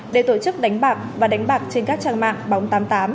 để tổ chức đánh bạc và đánh bạc trên các trang mạng bóng tám mươi tám